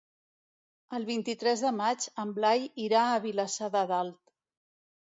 El vint-i-tres de maig en Blai irà a Vilassar de Dalt.